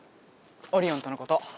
オリオンとのこと。